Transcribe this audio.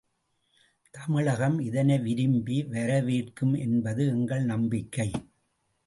தமிழகம் இதனை விரும்பி வரவேற்கும் என்பது எங்கள் நம்பிக்கை.